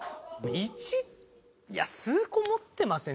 １いや数個持ってません？